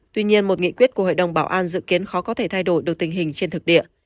tuy nhiên một nghị quyết của hội đồng bảo an dự kiến khó có thể thay đổi được tình hình trên thực địa